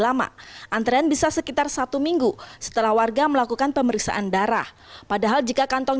lama antrean bisa sekitar satu minggu setelah warga melakukan pemeriksaan darah padahal jika kantong